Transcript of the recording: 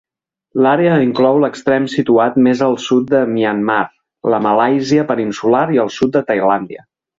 L'àrea inclou l'extrem situat més al sud de Myanmar, la Malàisia peninsular i el sud de Tailàndia.